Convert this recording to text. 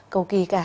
cầu kỳ cả